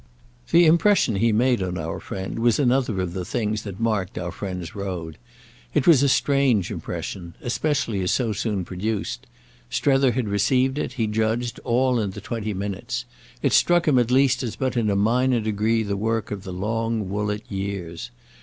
The impression he made on our friend was another of the things that marked our friend's road. It was a strange impression, especially as so soon produced; Strether had received it, he judged, all in the twenty minutes; it struck him at least as but in a minor degree the work of the long Woollett years.